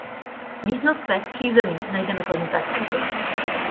V místnostech v přízemí najdeme klenuté stropy.